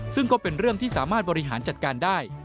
ซึ่งก็เป็นเรื่องที่สามารถบริหารจัดการได้